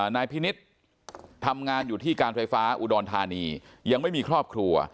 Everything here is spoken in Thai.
นายพินิษฐ์ทำงานอยู่ที่การไฟฟ้าอุดรธานียังไม่มีครอบครัว